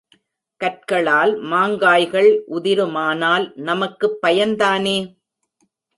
கற்களால் மாங்காய்கள் உதிருமானால் நமக்குப் பயன்தானே?